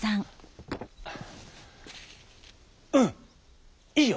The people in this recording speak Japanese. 「うんいいよ！